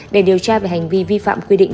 để điều tra về hành vi vi phạm quy định